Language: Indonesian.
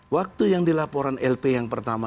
waktu yang dilaporan lp yang pertama